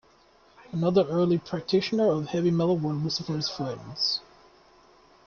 Another early practitioner of heavy metal were Lucifer's Friend.